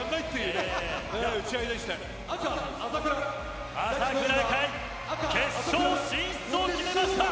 朝倉海、決勝進出を決めました。